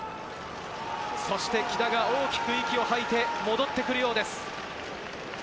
そして木田が大きく息を吐いて戻ってくるようです。